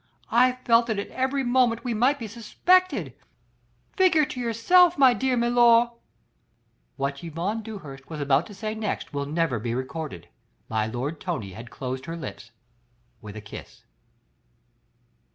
I felt that at every moment we might be suspected. Figure to yourself, my dear milor...." What Yvonne Dewhurst was about to say next will never be recorded. My lord Tony had closed her lips with a kiss.